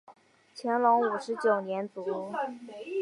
乾隆五十九年卒。